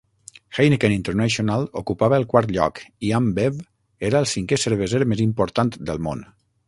Heineken International ocupava el quart lloc i AmBev era el cinquè cerveser més important del món.